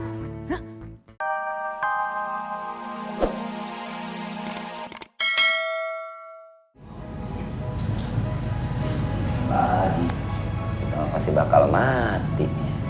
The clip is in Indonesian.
tadi kita pasti bakal mati